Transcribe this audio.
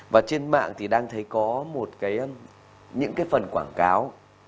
và trên mạng thì đang thấy có một những cái phần quảng cáo